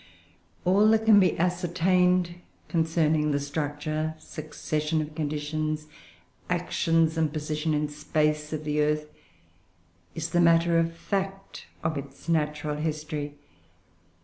All that can be ascertained concerning the structure, succession of conditions, actions, and position in space of the earth, is the matter of fact of its natural history.